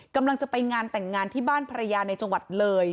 กำลังจะไปงานแต่งงานที่บ้านภรรยาในจังหวัดเลย